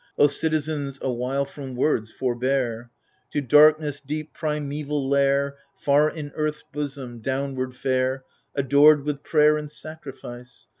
(O citizens^ awhile from words forbear f) To darkness' deep primeval lair. Far in Earth's bosom, downward fare, Adored with prayer and sacrifice.